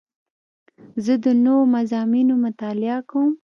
زه د نوو مضامینو مطالعه کوم.